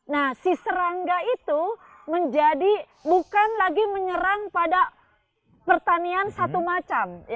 nah si serangga itu menjadi bukan lagi menyerang pada pertanian satu macam